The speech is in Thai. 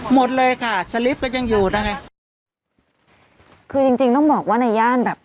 หมดเลยค่ะสลิปก็ยังอยู่นะคะคือจริงจริงต้องบอกว่าในย่านแบบ